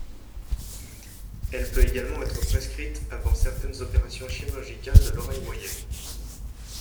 Elle peut également être prescrite avant certaines opérations chirurgicales de l'oreille moyenne.